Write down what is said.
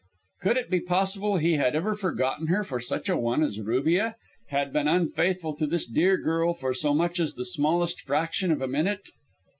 Could it be possible he had ever forgotten her for such a one as Rubia have been unfaithful to this dear girl for so much as the smallest fraction of a minute?